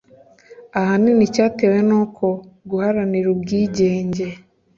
ahanini cyatewe nuko guharanira ubwigenge